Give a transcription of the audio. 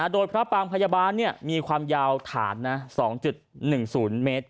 โดยพระปางพยาบาลมีความยาวฐาน๒๑๐เมตร